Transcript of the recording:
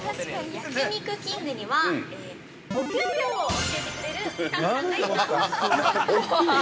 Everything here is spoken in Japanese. ◆焼肉きんぐにはお給料を教えてくれるスタッフさんがいます。